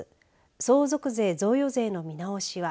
相続税・贈与税の見直しは。